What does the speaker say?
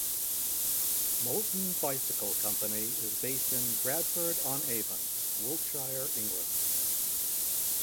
Moulton Bicycle Company is based in Bradford-on-Avon, Wiltshire, England.